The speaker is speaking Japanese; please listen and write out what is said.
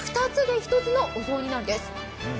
２つで１つのお雑煮なんです。